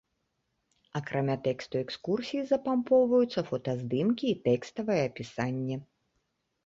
Акрамя тэксту экскурсіі запампоўваюцца фотаздымкі і тэкставае апісанне.